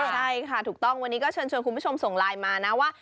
ใช่ค่ะถูกต้องวันนี้ก็เชิญชวนคุณผู้ชมส่งไลน์มานะว่า